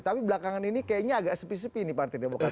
tapi belakangan ini kayaknya agak sepi sepi nih partai demokrat